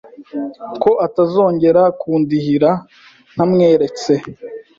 ko atazongera kundihira ntamweretse